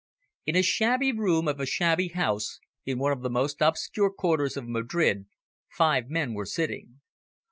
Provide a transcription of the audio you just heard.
In a shabby room of a shabby house in one of the most obscure quarters of Madrid, five men were sitting.